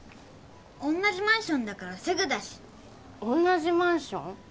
同じマンションだからすぐだし同じマンション？